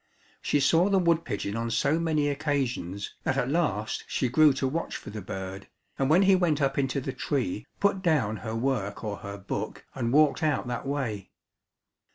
She saw the wood pigeon on so many occasions that at last she grew to watch for the bird, and when he went up into the tree, put down her work or her book and walked out that way.